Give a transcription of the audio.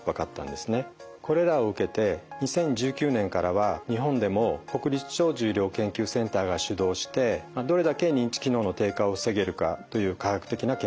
これらを受けて２０１９年からは日本でも国立長寿医療研究センターが主導してどれだけ認知機能の低下を防げるかという科学的な検証が進んでいます。